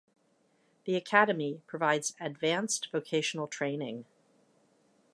The academy provides advanced vocational training.